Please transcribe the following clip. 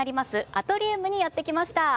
アトリウムにやって来ました。